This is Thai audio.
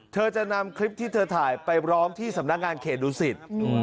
เธอจะนำคลิปที่เธอถ่ายไปร้องที่สำนักงานเขตดูสิต